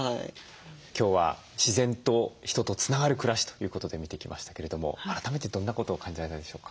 今日は自然と人とつながる暮らしということで見てきましたけれども改めてどんなことを感じられたでしょうか？